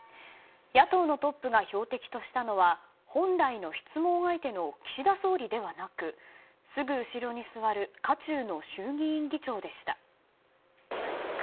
野党のトップが標的としたのは本来の質問相手の岸田総理ではなくすぐ後ろに座る渦中の衆議院議長でした。